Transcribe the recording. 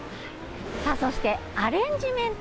そして、アレンジメント